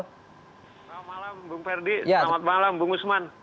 selamat malam bang osman